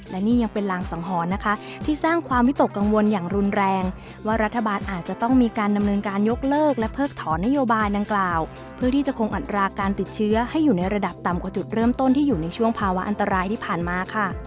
และนี่ยังเป็นรางสังหรณ์นะคะที่สร้างความวิตกกังวลอย่างรุนแรงว่ารัฐบาลอาจจะต้องมีการดำเนินการยกเลิกและเพิกถอนนโยบายดังกล่าวเพื่อที่จะคงอัตราการติดเชื้อให้อยู่ในระดับต่ำกว่าจุดเริ่มต้นที่อยู่ในช่วงภาวะอันตรายที่ผ่านมาค่ะ